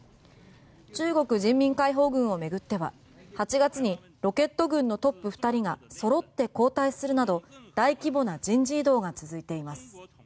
中国人民解放軍を巡っては８月にロケット軍のトップ２人がそろって交代するなど大規模な人事異動が続いています。